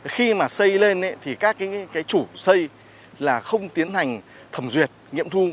khi mà xây lên thì các chủ xây là không tiến hành thẩm duyệt nghiệm thu